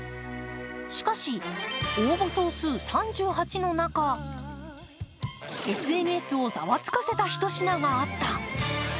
しかし、応募総数３８の中ＳＮＳをざわつかせた一品があった。